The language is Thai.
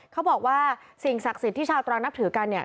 เขาบอกว่าสิ่งศักดิ์สิทธิ์ที่ชาวตรังนับถือกันเนี่ย